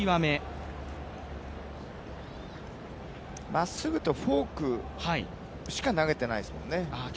まっすぐとフォークしか投げてないですもんね。